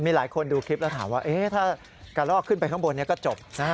มีหลายคนดูคลิปแล้วถามว่าถ้ากระลอกขึ้นไปข้างบนนี้ก็จบ